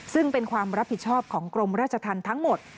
ซึ่งเป็นความรับผิดชอบของกรมราชธรรมทั้งหมด